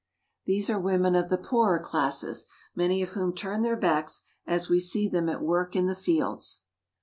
These are women of the poorer classes, many of whom turn their backs as we see them at work in the fields.